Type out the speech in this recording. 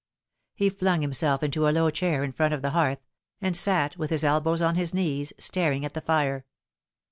He flung himself into a low chair in front of the hearth, and sat with his elbows on his knees staring at the fire.